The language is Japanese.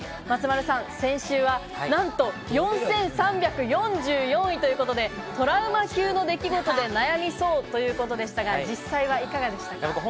松丸さん、先週はなんと４３４４位ということで、トラウマ級の出来事で悩みそうということでしたが、実際は、いかがでしたか？